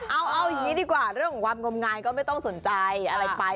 เอาอย่างนี้ดีกว่าเรื่องของความงมงายก็ไม่ต้องสนใจอะไรไป